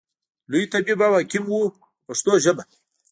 لوی طبیب او حکیم و په پښتو ژبه.